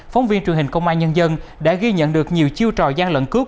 phóng viên truyền hình công an nhân dân đã ghi nhận được nhiều chiêu trò gian lận cướp